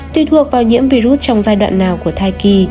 tùy thuộc vào nhiễm virus trong giai đoạn nào của thai kỳ